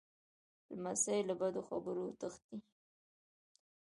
لمسی له بدو خبرو تښتي.